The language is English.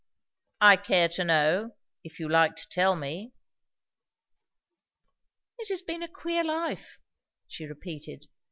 "I care to know if you like to tell me." "It has been a queer life," she repeated.